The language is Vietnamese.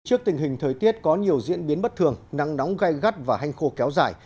trước tình hình thời tiết có nhiều diễn biến bất thường nắng nóng gai gắt và hanh khô kéo dài